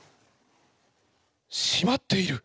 しまっている！